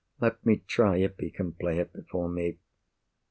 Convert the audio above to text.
Let me try if he can play it before me.